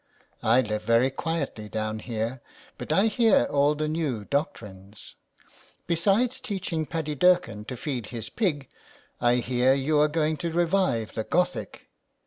I live very quiet down here, but I hear all the new doctrines. Besides teaching Paddy Durkin to feed his pig, I hear you are going to revive the Gothic.